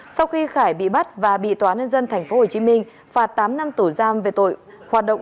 sau khi khải bị bắt và bị tòa nhân dân tp hcm phạt tám năm tổ giam về tội hoạt động